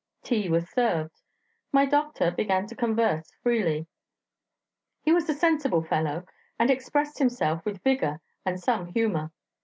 Tea was served. My doctor began to converse freely. He was a sensible fellow, and expressed himself with vigour and some humour.